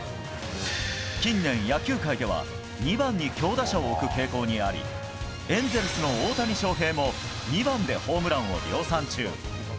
近年、野球界では２番に強打者を置く傾向にありエンゼルスの大谷翔平も２番でホームランを量産中。